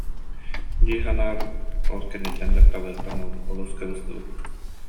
дии санаабыт, ол кэннэ дьахталларыттан олус кыбыстыбыт